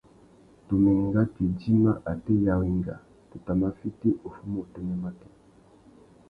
Tu mà enga tu idjima atê ya wenga, tu tà mà fiti uffuma utênê matê.